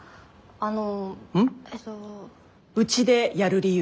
うちでやる理由。